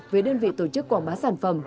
với đơn vị tổ chức quảng bá sản phẩm